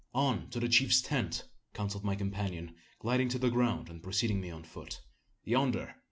"On to the chief's tent!" counselled my companion, gliding to the ground, and preceding me on foot, "Yonder!